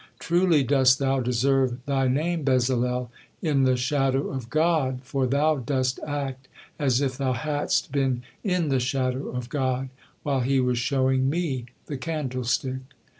Truly dost thou deserve thy name Bezalel, 'in the shadow of God,' for thou dost act as if thou hadst been 'in the shadow of God' while He was showing me the candlestick."